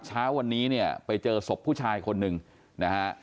เช้าวันนี้เนี่ยไปเจอศพผู้ชายคนหนึ่งนะฮะ